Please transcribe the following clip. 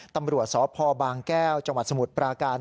ตำรวจสพบางแก้วจังหวัดสมุทรปราการ